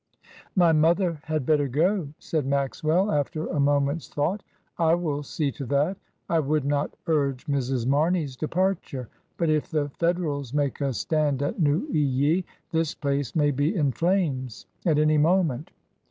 "My mother had better go," said Maxwell, after a moment's thought; "I will see to that. I would not urge Mrs.Mame/s departure; but if the Federals make a stand at Neuilly, this place may be in flames at any moment.